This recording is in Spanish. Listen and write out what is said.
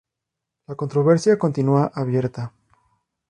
La controversia continúa abierta.